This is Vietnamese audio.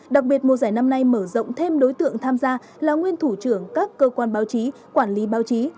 đặc biệt mùa giải năm nay mở rộng thêm đối tượng tham gia là nguyên thủ trưởng các cơ quan báo chí quản lý báo chí